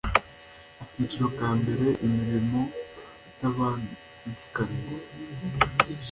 Akiciro ka mbere Imirimo itabangikanywa